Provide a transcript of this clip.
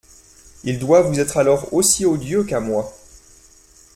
Il doit vous être alors aussi odieux qu'à moi.